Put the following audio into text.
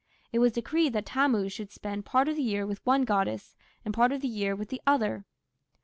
It was decreed that Tammuz should spend part of the year with one goddess and part of the year with the other.